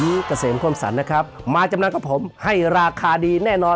เกษมคมสรรนะครับมาจำนำกับผมให้ราคาดีแน่นอน